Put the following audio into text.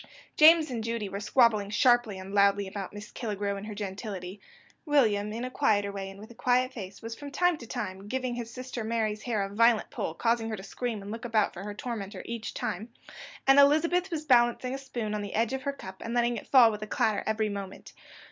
James and Judy were squabbling sharply and loudly about Miss Killigrew and her gentility; William, in a quieter way, and with a quiet face, was, from time to time, giving his sister Mary's hair a violent pull, causing her to scream and look about her for her tormenter each time; and Elizabeth was balancing a spoon on the edge of her cup, and letting it fall with a clatter every moment.